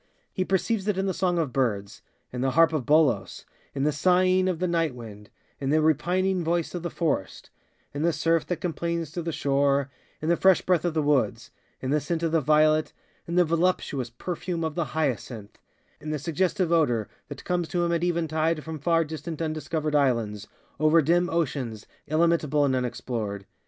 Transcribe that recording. He perceives it in the songs of birdsŌĆöin the harp of BolosŌĆöin the sighing of the night windŌĆöin the repining voice of the forestŌĆöin the surf that complains to the shoreŌĆöin the fresh breath of the woodsŌĆöin the scent of the violetŌĆöin the voluptuous perfume of the hyacinthŌĆöin the suggestive odour that comes to him at eventide from far distant undiscovered islands, over dim oceans, illimitable and unexplored.